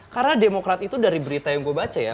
karena demokrat itu dari berita yang gue baca ya